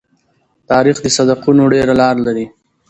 تاریخ د صدقونو ډېره لار لري.